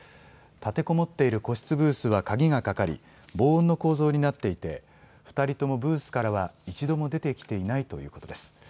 立てこもっている個室ブースは鍵がかかり防音の構造になっていて２人ともブースからは一度も出てきていないということです。